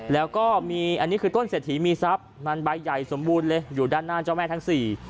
แล้วก็มีอันนี้คือต้นเศรษฐีมีทรัพย์มันใบใหญ่สมบูรณ์เลยอยู่ด้านหน้าเจ้าแม่ทั้งสี่